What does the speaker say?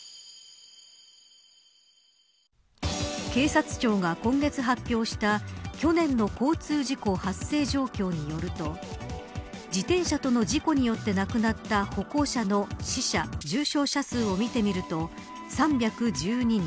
警察庁が今月発表した去年の交通事故発生状況によると自転車との事故によって亡くなった歩行者の死者、重傷者数を見てみると３１２人